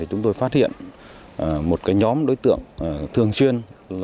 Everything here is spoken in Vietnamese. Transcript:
chúng tôi phát hiện một nhóm đối tượng thường xuyên